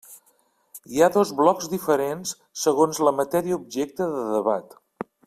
Hi ha dos blocs diferents segons la matèria objecte de debat.